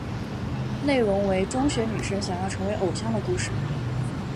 内容为中学女生想要成为偶像的故事。